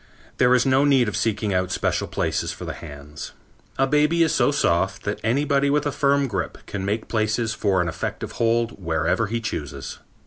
There is no need of seeking out special places for the hands. A baby is so soft that anybody with a firm grip can make places for an effective hold wherever he chooses.